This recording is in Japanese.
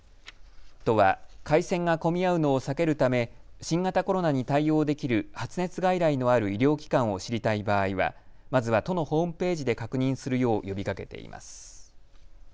都は回線が混み合うのを避けるため新型コロナに対応できる発熱外来のある医療機関を知りたい場合はまずは都のホームページで確認するよう呼びかけています。